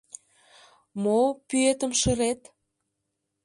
— Мо пӱэтым шырет?